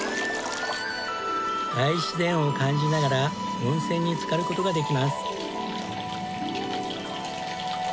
大自然を感じながら温泉につかる事ができます。